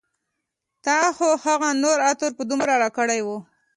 تا خو هغه نور عطر په دومره راکړي و